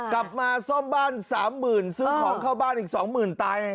กลับมาซ่อมบ้าน๓๐๐๐ซื้อของเข้าบ้านอีก๒๐๐๐ตาย